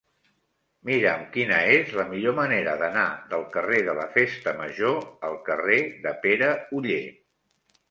Mira'm quina és la millor manera d'anar del carrer de la Festa Major al carrer de Pere Oller.